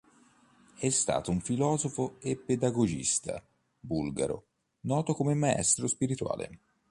È stato un filosofo e pedagogista bulgaro, noto come maestro spirituale.